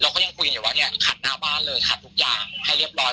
ก็ยังคุยกันอยู่ว่าเนี่ยขัดหน้าบ้านเลยขัดทุกอย่างให้เรียบร้อย